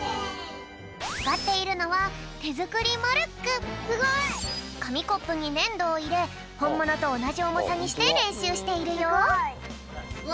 つかっているのはかみコップにねんどをいれほんものとおなじおもさにしてれんしゅうしているよ。